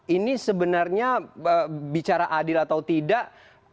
ini sebenarnya bicara adil atau tidak